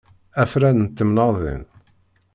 Afran n temnaḍin.